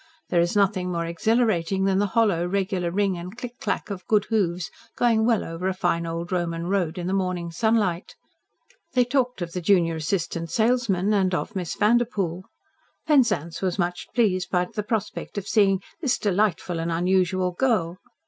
There is nothing more exhilarating than the hollow, regular ring and click clack of good hoofs going well over a fine old Roman road in the morning sunlight. They talked of the junior assistant salesman and of Miss Vanderpoel. Penzance was much pleased by the prospect of seeing "this delightful and unusual girl."